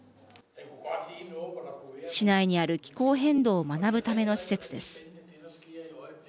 市内にある気候変動を学ぶための施設です。